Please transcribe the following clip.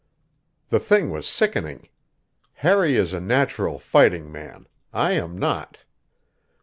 The thing was sickening. Harry is a natural fighting man; I am not.